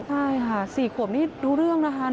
ใช่ค่ะ๔ขวบนี่รู้เรื่องนะคะ